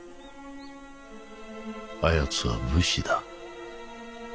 あやつは武士だ。